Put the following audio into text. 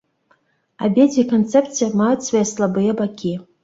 Абедзве канцэпцыі маюць свае слабыя бакі.